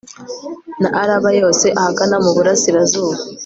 na araba yose, ahagana mu burasirazuba